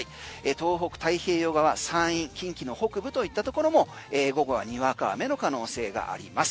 東北太平洋側山陰、近畿の北部といったところも午後はにわかにわか雨の可能性があります。